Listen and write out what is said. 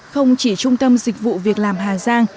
không chỉ trung tâm dịch vụ việt nam hà giang